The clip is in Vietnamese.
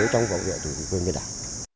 trong vòng vệ chủ quyền biển đảo